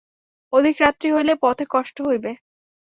অধিক রাত্রি হইলে পথে কষ্ট হইবে।